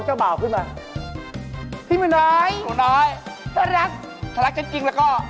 จุบและหยุดฟัน